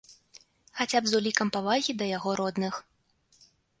Хаця б з улікам павагі да яго родных.